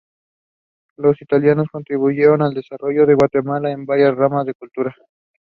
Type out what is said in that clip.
Gillespie eventually withdrew from the race.